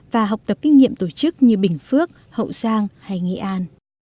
và học tập kinh nghiệm tổ chức như bình phước hậu giang hay nghệ an